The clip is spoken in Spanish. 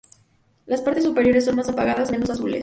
Las partes superiores son más apagadas, menos azules.